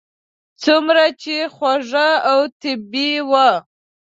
څومره چې خوږ او طبیعي و.